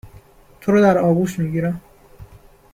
تو رو در آغوش می گیرم